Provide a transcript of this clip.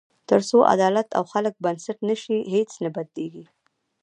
تر څو عدالت او خلک بنسټ نه شي، هیڅ نه بدلېږي.